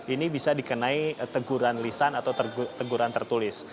ini bisa dikenai teguran lisan atau teguran tertulis